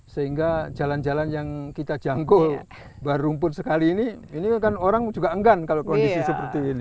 sehingga jalan jalan yang kita jangkul baru pun sekali ini ini kan orang juga enggan kalau kondisi seperti ini